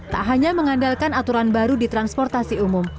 tak hanya mengandalkan aturan baru di transportasi umum